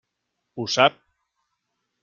Ho sap.